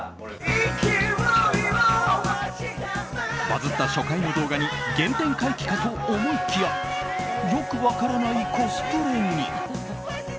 バズった初回の動画に原点回帰かと思いきやよく分からないコスプレに。